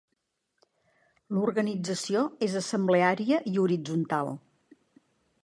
L'organització és assembleària i horitzontal.